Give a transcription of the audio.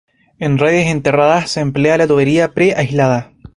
En redes enterradas se emplea tubería pre-aislada.